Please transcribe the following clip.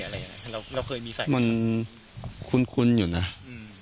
อะไรอ่ะเราเคยมีใส่มันคุ้นคุ้นอยู่น่ะอืม